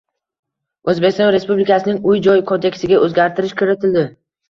Oʻzbekiston Respublikasining Uy-joy kodeksiga oʻzgartish kiritildi.